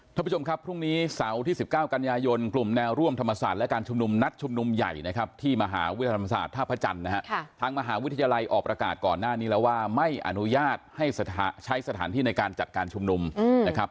ท่านผู้ชมนุมใหญ่นะครับที่มหาวิทยาลัยออกประกาศก่อนหน้านี้แล้วว่าไม่อนุญาตให้สถานที่ในการจัดการชมนุมนะครับ